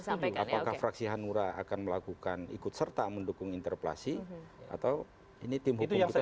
apakah fraksi hanura akan melakukan ikut serta mendukung interpelasi atau ini tim hukum kita